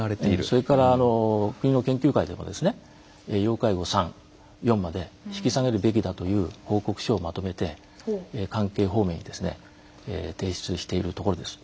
それから国の研究会でも要介護３４まで引き下げるべきだという報告書をまとめて関係方面に提出しているところです。